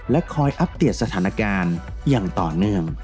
คอยอัปเดตสถานการณ์อย่างต่อเนื่อง